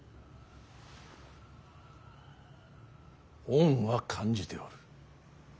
恩は感じておる。